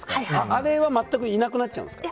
あれは全くいなくなっちゃうんですか？